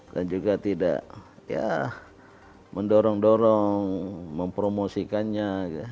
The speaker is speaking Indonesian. dan juga tidak mendorong dorong mempromosikannya